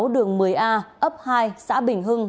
đường một mươi a ấp hai xã bình hưng